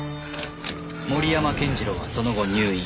森山健次郎はその後入院。